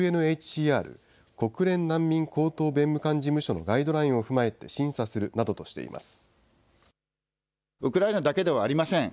ＵＮＨＣＲ・国連難民高等弁務官事務所のガイドラインを踏まえて審査するなどとしています。